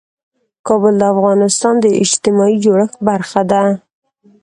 کابل د افغانستان د اجتماعي جوړښت برخه ده.